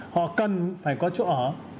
họ cần phải có chỗ ở